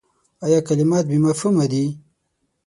ایا کلمات بې مفهومه دي ؟